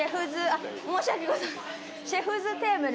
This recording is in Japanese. あっ申し訳ございません。